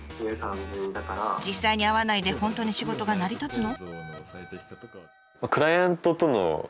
実際に会わないで本当に仕事が成り立つの？